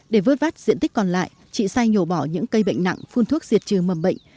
để vớt vát diện tích còn lại chị say nhổ bỏ những cây bệnh nặng phun thuốc diệt trừ mầm bệnh